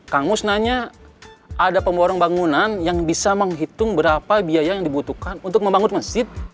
kang musnanya ada pemborong bangunan yang bisa menghitung berapa biaya yang dibutuhkan untuk membangun masjid